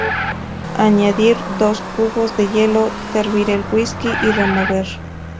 Añadir dos cubos de hielo, servir el whisky y remover.